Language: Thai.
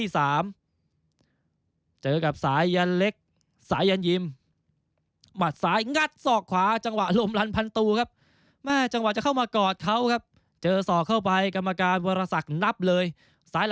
สับดอกหนีอู๋เลือดตามสอกมาเลยครับ